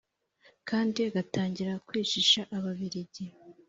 kandi agatangira kwishisha ababiligi